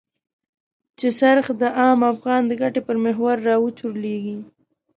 چې څرخ د عام افغان د ګټې پر محور را وچورليږي.